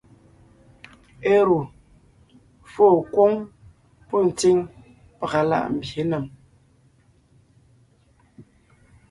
Éru fô kwóŋ pɔ́ ntsíŋ pàga láʼ mbyě nèm;